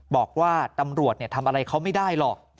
บอกว่าตำรวจทำอะไรเขาไม่ได้หรอก